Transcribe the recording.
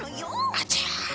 あちゃ。